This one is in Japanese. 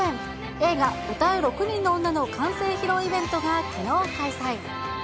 映画、唄う六人の女の完成披露イベントがきのう開催。